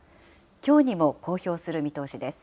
きょうにも公表する見通しです。